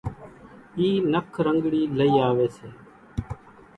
اِي نک رنڳڻِي لئِي آويَ سي۔